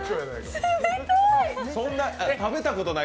冷たい！